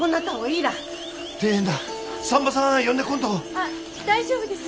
あっ大丈夫です。